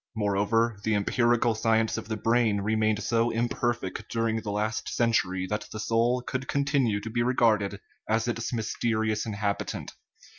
Moreover, the em pirical science of the brain remained so imperfect dur ing the last century that the soul could continue to be regarded as its mysterious inhabitant.